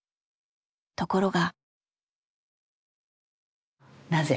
ところが。